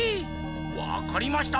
わかりました！